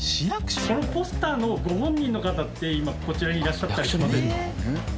このポスターのご本人の方って今こちらにいらっしゃったりしませんか？